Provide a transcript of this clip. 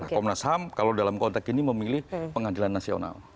komnas ham kalau dalam konteks ini memilih pengadilan nasional